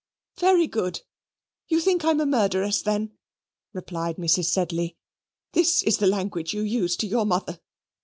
"Very good: you think I'm a murderess then," replied Mrs. Sedley. "This is the language you use to your mother.